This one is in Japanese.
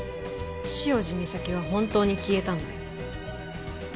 潮路岬は本当に消えたんだよ。